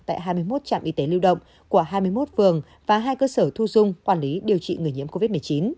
tại hai mươi một trạm y tế lưu động của hai mươi một phường và hai cơ sở thu dung quản lý điều trị người nhiễm covid một mươi chín